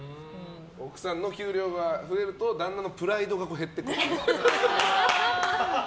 奥さんの給料が増えると旦那のプライドが減っていく。